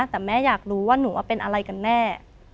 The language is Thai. แต่แม่อยากรู้ว่าหนูว่าเป็นอะไรกันแน่